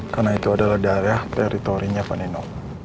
karena itu adalah daerah teritorinya panino